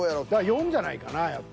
４じゃないかなやっぱ。